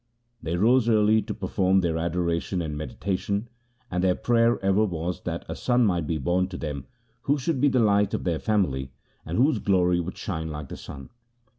They rose early to perform their adoration and meditation, and their prayer ever was that a son might be born to them who should be the light of their family, and whose glory should shine like the sun.